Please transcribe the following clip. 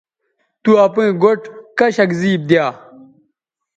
تو اپئیں گوٹھ کشک زیب دیا